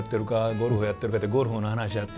ゴルフやってるか？」ってゴルフの話やって。